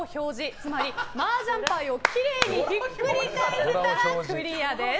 つまり、マージャン牌をきれいにひっくり返せたらクリアです。